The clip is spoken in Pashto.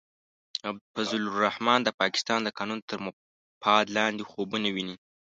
فضل الرحمن د پاکستان د قانون تر مفاد لاندې خوبونه ویني.